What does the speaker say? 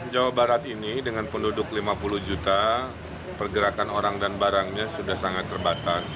jawa barat ini dengan penduduk lima puluh juta pergerakan orang dan barangnya sudah sangat terbatas